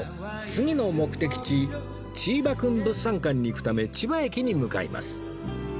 次の目的地チーバくん物産館に行くため千葉駅に向かいます